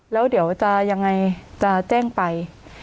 แล้วเดี๋ยวจะยังไงจะแจ้งไป